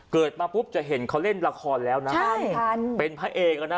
เกิดมาปุ๊บจะเห็นเขาเล่นละครแล้วนะใช่ค่ะเป็นพระเอกอ่ะนะ